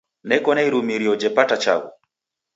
Neko na irumirio jepata chaghu.